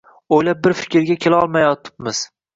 O‘ylab bir fikrga kelolmayotibmiz